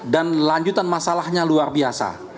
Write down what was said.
dan lanjutan masalahnya luar biasa